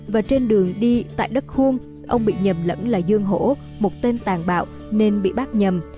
và trên đường đi tại đất khuôn ông bị nhầm lẫn là dương hổ một tên tàn bạo nên bị bác nhầm